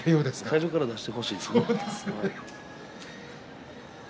最初から出してほしいですね。